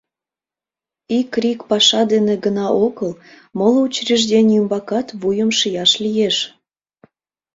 Ик рик паша дене гына огыл, моло учреждений ӱмбакат вуйым шияш лиеш.